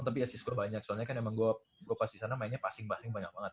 tapi asis gue banyak soalnya kan emang gue pas di sana mainnya passing passing banyak banget